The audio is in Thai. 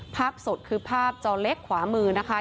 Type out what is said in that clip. ภาพสดคือภาพจอเล็กขวามือนะคะ